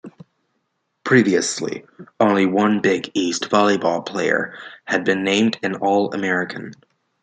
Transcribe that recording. Previously only one Big East volleyball player had been named an All-American.